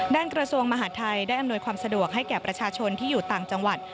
กระทรวงมหาดไทยได้อำนวยความสะดวกให้แก่ประชาชนที่อยู่ต่างจังหวัด